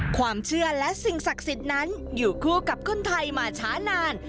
ความเชื่อและสิ่งศักดิ์สิทธิ์นั้นอยู่คู่กับคนไทยมาช้านาน